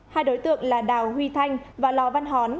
hai đối tượng là đào huy thanh và lò văn hón